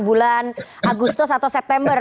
bulan agustus atau september